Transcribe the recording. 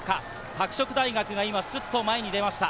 拓殖大学は今すっと前に出ました。